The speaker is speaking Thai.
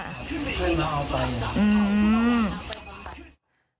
ให้มาเอาไป